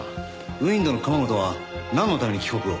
ＷＩＮＤの釜本はなんのために帰国を？